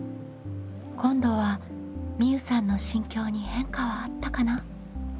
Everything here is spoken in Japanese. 今度はみうさんの心境に変化はあったかな？